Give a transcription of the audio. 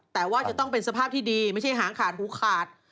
แต่ว่าจะต้องเป็นสภาพที่ดีไม่ใช่หางขาดหูขาด